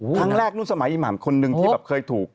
ครั้งแรกนู่นสมัยอีหม่ำคนหนึ่งที่แบบเคยถูก